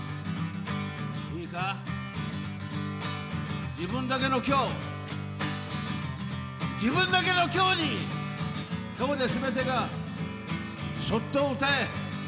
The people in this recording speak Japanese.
いいか自分だけの今日自分だけの今日に今日ですべてがそっと歌え。